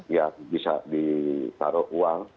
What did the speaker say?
yang bisa ditaruh uang